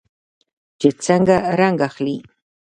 چې څنګه رنګ اخلي.